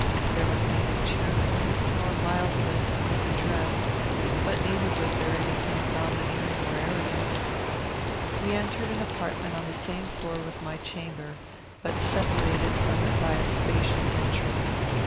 There was neither cheerfulness nor mildness in his address, but neither was there any thing domineering or arrogant. We entered an apartment on the same floor with my chamber, but separated from it by a spacious entry.